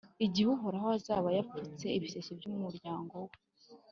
Igihe Uhoraho azaba yapfutse ibisebe by’umuryango we,